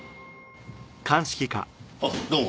あっどうも。